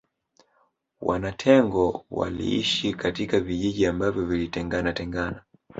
Wamatengo waliishi katika vijiji ambavyo vilitengana tengana